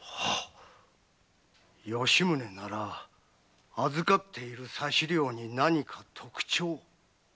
吉宗なら預かっている差料に何か特徴が。